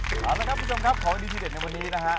เอาละครับคุณผู้ชมครับของดีที่เด็ดในวันนี้นะฮะ